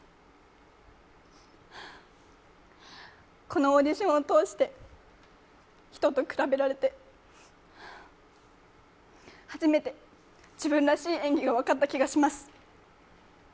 このオーディションを通して人と比べられて初めて自分らしい演技が分かった気がします。